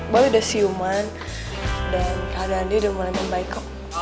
boleh siuman dan keadaannya udah mulai membaik